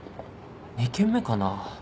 ２軒目かな？